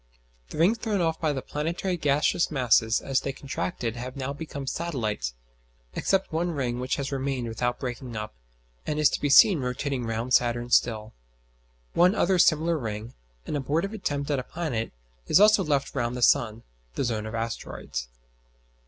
The rings thrown off by the planetary gaseous masses as they contracted have now become satellites; except one ring which has remained without breaking up, and is to be seen rotating round Saturn still. One other similar ring, an abortive attempt at a planet, is also left round the sun (the zone of asteroids).